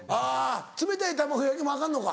冷たい卵焼きもアカンのか？